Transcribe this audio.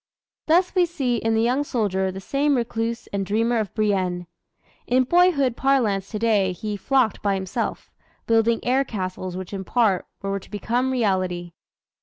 Thus we see in the young soldier the same recluse and dreamer of Brienne. In boyhood parlance today, he "flocked by himself," building air castles which in part were to become reality.